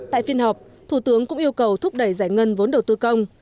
tại phiên họp thủ tướng cũng yêu cầu thúc đẩy giải ngân vốn đầu tư công